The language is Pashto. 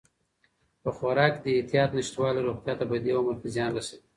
په خوراک کې د احتیاط نشتوالی روغتیا ته په دې عمر کې زیان رسوي.